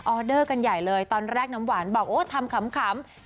เดอร์กันใหญ่เลยตอนแรกน้ำหวานบอกโอ้ทำขำ